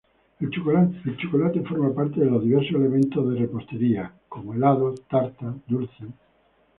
El chocolate forma parte de diversos elementos de repostería, como helados, tartas, dulces.